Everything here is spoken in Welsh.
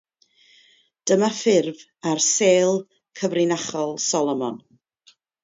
Dyma ffurf ar 'Sêl Cyfrinachol Solomon'.